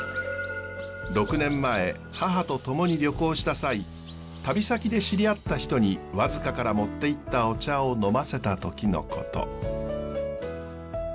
６年前母と共に旅行した際旅先で知り合った人に和束から持っていったお茶を飲ませた時のこと。